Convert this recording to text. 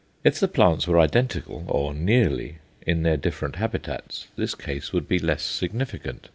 If the plants were identical, or nearly, in their different habitats, this case would be less significant.